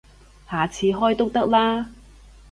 下次開都得啦